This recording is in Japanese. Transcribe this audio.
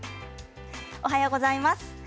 おはようございます。